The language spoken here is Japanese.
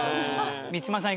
満島さん